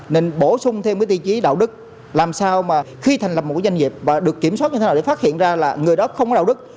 nên bổ sung thêm cái tiêu chí đạo đức làm sao mà khi thành lập một doanh nghiệp và được kiểm soát như thế nào để phát hiện ra là người đó không có đạo đức